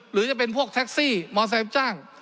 หรือจะเป็นพวกแท็กซี่มอเซล์รับจ้าง